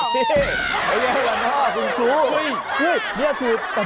ไม่เยี่ยมเหรอลูกครู